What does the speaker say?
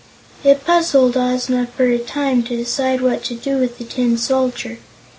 It puzzled Ozma, for a time, to decide what to do with the Tin Soldier.